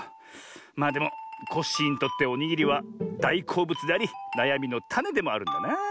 まあでもコッシーにとっておにぎりはだいこうぶつでありなやみのタネでもあるんだなあ。